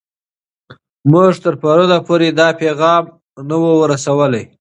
موږ تر پرون پورې دا پیغام نه و رسوولی.